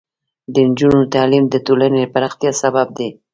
د نجونو تعلیم د ټولنې پراختیا سبب دی.